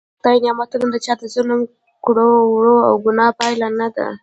د خدای نعمتونه د چا د ظلم کړو وړو او ګناه پایله نده.